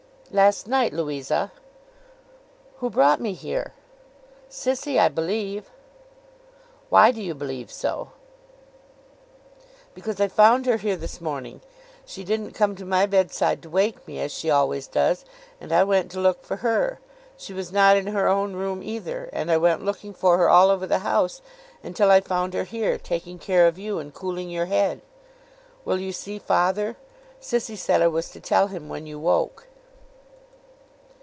'Last night, Louisa.' 'Who brought me here?' 'Sissy, I believe.' 'Why do you believe so?' 'Because I found her here this morning. She didn't come to my bedside to wake me, as she always does; and I went to look for her. She was not in her own room either; and I went looking for her all over the house, until I found her here taking care of you and cooling your head. Will you see father? Sissy said I was to tell him when you woke.